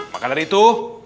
maka dari itu